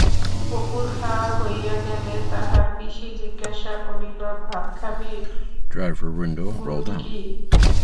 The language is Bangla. অপুর খাওয়া হইয়া গেলে তাহার পিসি জিজ্ঞাসা করিল-ভাত খাবি গুলকী?